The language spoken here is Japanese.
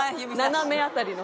斜め辺りの。